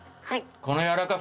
この柔らかさ！